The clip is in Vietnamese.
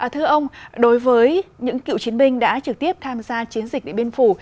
thưa ông đối với những cựu chiến binh đã trực tiếp tham gia chiến dịch địa biên phủ